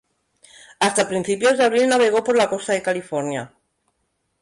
Hasta principios de abril, navegó por la costa de California.